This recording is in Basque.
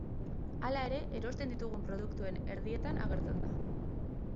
Hala ere, erosten ditugun produktuen erdietan agertzen da.